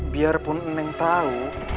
walaupun aku tahu